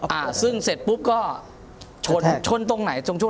แล้วก็ชนตรงไหนครับ